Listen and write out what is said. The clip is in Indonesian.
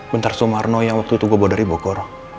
bentar soebarna yang waktu itu gue bawa dari bogor